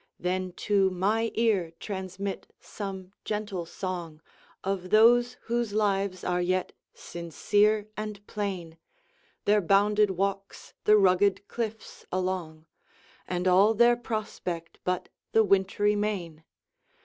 Then to my ear transmit some gentle song Of those whose lives are yet sincere and plain, Their bounded walks the rugged cliffs along, And all their prospect but the wintry main.